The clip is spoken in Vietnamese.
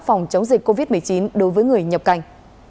phòng chống dịch covid một mươi chín đối với người nhập cảnh